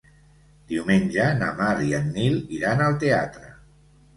Diumenge na Mar i en Nil iran al teatre.